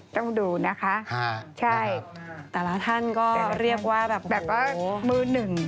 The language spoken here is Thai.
ต้องดูนะคะใช่แต่ละท่านก็เรียกว่าแบบว่ามือหนึ่ง